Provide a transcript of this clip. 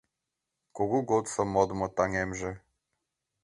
Кугу годсо модмо таҥемже